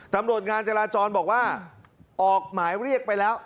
ตำรวจงานจราจรบอกว่าออกหมายเรียกไปแล้ว